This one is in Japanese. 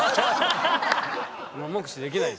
目視できないですよね。